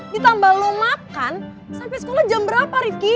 ditambah lo makan sampai sekolah jam berapa rifki